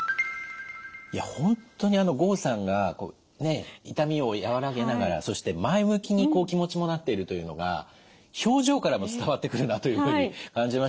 いや本当に郷さんが痛みを和らげながらそして前向きにこう気持ちもなっているというのが表情からも伝わってくるなというふうに感じましたけれども。